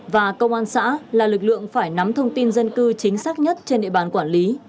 và công an xã là lực lượng phải nắm thông tin dân cư chính xác nhất trên địa bàn quản lý